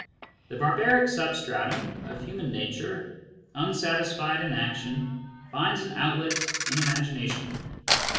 The barbaric substratum of human nature, unsatisfied in action, finds an outlet in imagination.